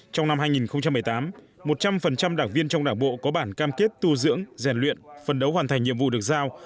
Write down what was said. trong năm hai nghìn một mươi tám một trăm linh đảng viên trong đảng bộ có bản cam kết tu dưỡng rèn luyện phân đấu hoàn thành nhiệm vụ được giao